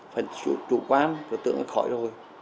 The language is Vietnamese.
phần chủ quan cựu tưởng nó khỏi rồi